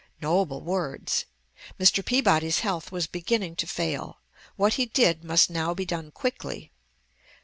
Noble words! Mr. Peabody's health was beginning to fail. What he did must now be done quickly.